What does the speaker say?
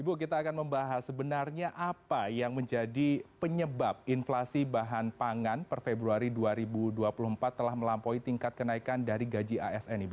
ibu kita akan membahas sebenarnya apa yang menjadi penyebab inflasi bahan pangan per februari dua ribu dua puluh empat telah melampaui tingkat kenaikan dari gaji asn ibu